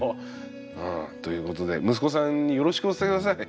ということで息子さんによろしくお伝え下さい。